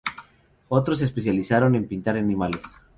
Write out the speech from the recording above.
Otros se especializaron en pintar animales.